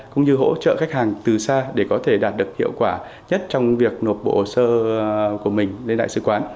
cũng như hỗ trợ khách hàng từ xa để có thể đạt được hiệu quả nhất trong việc nộp bộ sơ của mình lên đại sứ quán